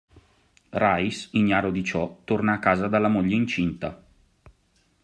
Rice, ignaro di ciò, torna a casa dalla moglie incinta.